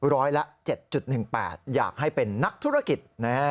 ร้อยละ๗๑๘อยากให้เป็นนักธุรกิจ